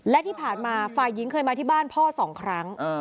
และที่ผ่านมาฝ่ายหญิงเคยมาที่บ้านพ่อสองครั้ง